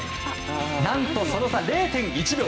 何とその差０．１秒。